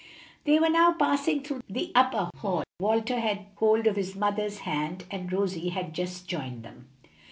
They were now passing through the upper hall. Walter had hold of his mother's hand, and Rosie had just joined them.